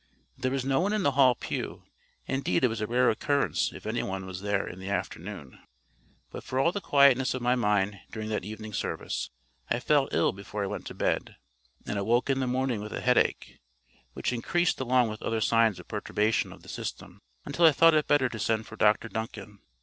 There was no one in the Hall pew; indeed it was a rare occurrence if any one was there in the afternoon. But for all the quietness of my mind during that evening service, I felt ill before I went to bed, and awoke in the morning with a headache, which increased along with other signs of perturbation of the system, until I thought it better to send for Dr Duncan.